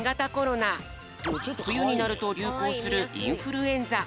ふゆになるとりゅうこうするインフルエンザ。